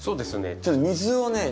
ちょっと水をね